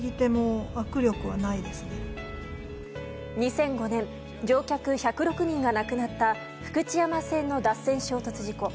２００５年乗客１０６人が亡くなった福知山線の脱線衝突事故。